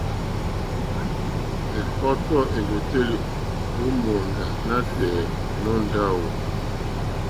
Ɛ̀kɔ́tɔ́ èwòtélì ó mòóndá nǎtɛ̀ɛ̀ nǒ ndáwù.